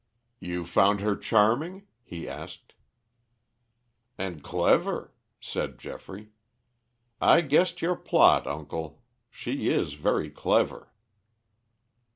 "You found her charming?" he asked. "And clever," said Geoffrey. "I guessed your plot, uncle. She is very clever."